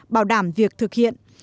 bảo đảm việc thực hiện